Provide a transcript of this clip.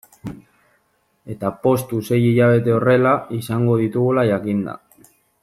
Eta poztu sei hilabete horrela izango ditugula jakinda.